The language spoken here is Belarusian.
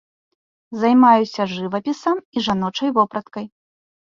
Займаюся жывапісам і жаночай вопраткай.